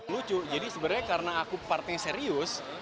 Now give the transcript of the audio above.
lucu jadi sebenarnya karena aku partnya serius